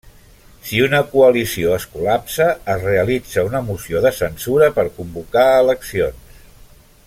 Si una coalició es col·lapsa, es realitza una moció de censura per convocar eleccions.